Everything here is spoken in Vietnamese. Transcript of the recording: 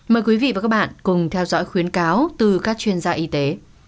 mời quý vị và các bạn cùng theo dõi khuyến cáo từ các chuyên gia y tế